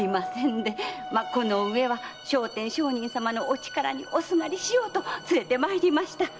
でこのうえは聖天上人様のお力におすがりしようと連れて参りました。